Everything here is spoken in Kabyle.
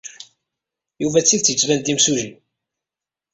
Yuba d tidet yettban-d d imsujji.